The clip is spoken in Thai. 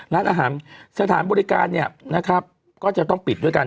ร้านอาหารสถานบริการเนี่ยนะครับก็จะต้องปิดด้วยกัน